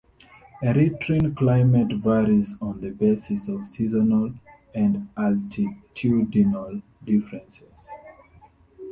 Eritrean climate varies on the basis of seasonal and altitudinal differences.